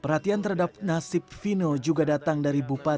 perhatian terhadap nasib fino juga datang dan ditemukan